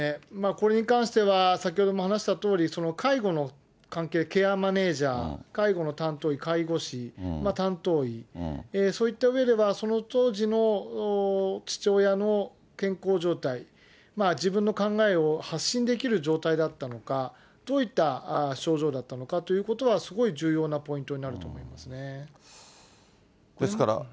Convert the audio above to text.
これに関しては先ほども話したとおり、介護の関係、ケアマネージャー、介護の担当医、看護師、担当医、そういった上では、その当時の父親の健康状態、自分の考えを発信できる状態だったのか、どういった症状だったのかということは、すごい重要なポイントにですから。